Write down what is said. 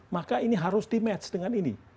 maka ini harus di match dengan ini